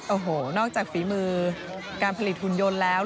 โอ้โหนอกจากฝีมือการผลิตหุ่นยนต์แล้ว